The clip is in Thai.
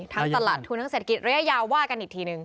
ตลาดทุนทั้งเศรษฐกิจระยะยาวว่ากันอีกทีนึง